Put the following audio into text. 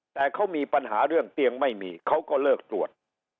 แต่เขามีปัญหาเรื่องเตียงไม่มีเขาก็เลิกตรวจ